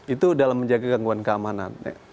itu dalam menjaga gangguan keamanan